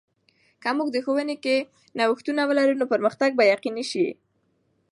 که موږ د ښوونې کې نوښتونه ولرو، نو پرمختګ به یقیني سي.